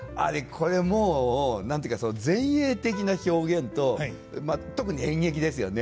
これもう何て言うか前衛的な表現とまあ特に演劇ですよね。